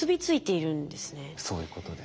そういうことです。